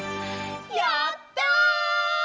やった！